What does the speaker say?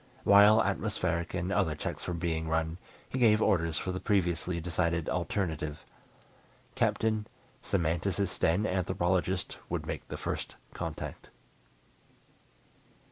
While atmospheric and other checks were being run, he gave orders for the previously decided alternative. Captain, semanticist and anthropologist would make the First Contact.